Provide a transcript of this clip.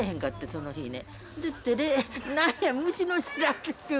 その日ね。